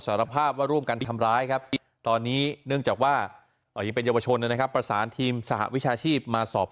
จับหัวโขกค่อมแล้วก็หัวโขก